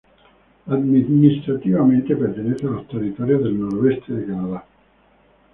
Administrativamente, pertenece a los Territorios del Noroeste, Canadá.